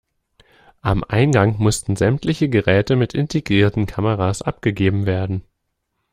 Am Eingang mussten sämtliche Geräte mit integrierten Kameras abgegeben werden.